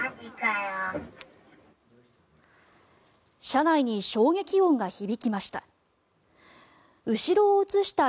車内に衝撃音が響きました。